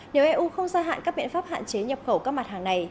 nếu eu không gia hạn các biện pháp hạn chế nhập khẩu các mặt hàng này